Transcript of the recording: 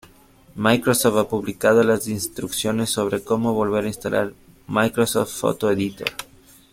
Microsoft ha publicado las instrucciones sobre cómo volver a instalar Microsoft Photo Editor.